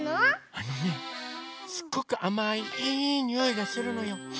あのねすごくあまいいいにおいがするのよ。